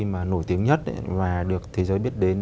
mà nổi tiếng nhất và được thế giới biết đến